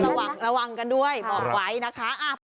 ก็ระวังกันด้วยบอกไว้นะคะ